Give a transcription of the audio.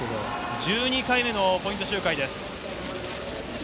１２回目のポイント周回です。